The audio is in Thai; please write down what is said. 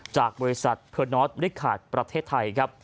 จากบริษัทเพิร์นนอร์ดริกขาดประเทศไทยครับ